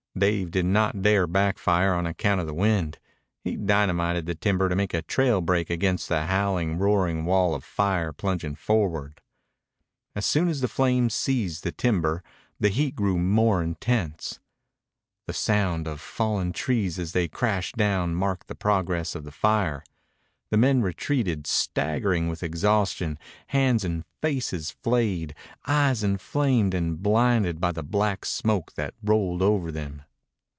Dave did not dare back fire on account of the wind. He dynamited the timber to make a trail break against the howling, roaring wall of fire plunging forward. As soon as the flames seized the timber the heat grew more intense. The sound of falling trees as they crashed down marked the progress of the fire. The men retreated, staggering with exhaustion, hands and faces flayed, eyes inflamed and blinded by the black smoke that rolled over them.